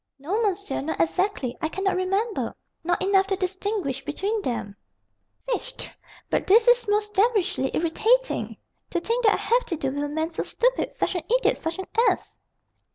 "No, monsieur. Not exactly. I cannot remember, not enough to distinguish between them." "Fichtre! But this is most devilishly irritating. To think that I have to do with a man so stupid such an idiot, such an ass!"